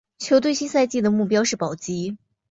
球队新赛季的目标是保级。